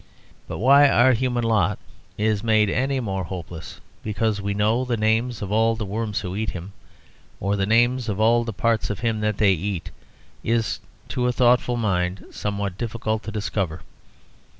But why our human lot is made any more hopeless because we know the names of all the worms who eat him, or the names of all the parts of him that they eat, is to a thoughtful mind somewhat difficult to discover.